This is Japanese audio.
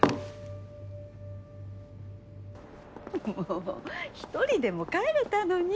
もう１人でも帰れたのに。